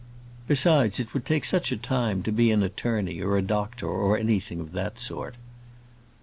Besides, it would take such a time to be an attorney, or a doctor, or anything of that sort."